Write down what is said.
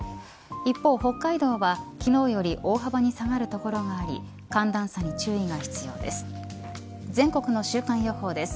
一方、北海道は昨日より大幅に下がる所があり寒暖差に注意が必要です。